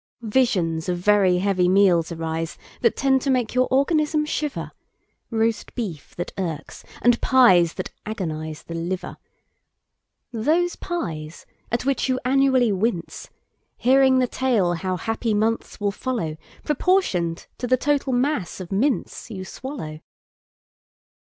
Visions of very heavy meals ariseThat tend to make your organism shiver; Roast beef that irks, and pies that agoniseThe liver; Those pies at which you annually wince, Hearing the tale how happy months will followProportioned to the total mass of minceYou swallow.